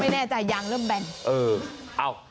ไม่แน่ใจยางเริ่มแบน